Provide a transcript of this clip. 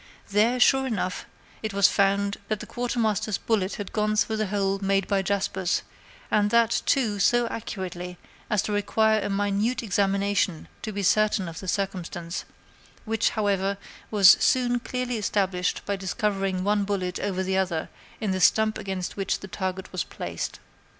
There, sure enough, it was found that the Quartermaster's bullet had gone through the hole made by Jasper's, and that, too, so accurately as to require a minute examination to be certain of the circumstance, which, however, was soon clearly established by discovering one bullet over the other in the stump against which the target was placed."